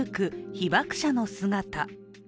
被爆者の姿。